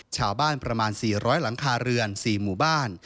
ประมาณ๔๐๐หลังคาเรือน๔หมู่บ้าน